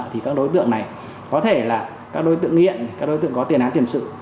thì các đối tượng này có thể là các đối tượng nghiện các đối tượng có tiền án tiền sự